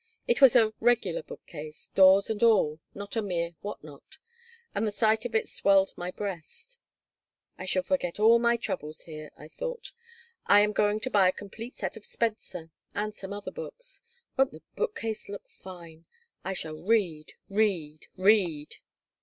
It was a "regular" bookcase, doors and all, not a mere "what not," and the sight of it swelled my breast "I shall forget all my troubles here," I thought. "I am going to buy a complete set of Spencer and some other books. Won't the bookcase look fine! I shall read, read, read."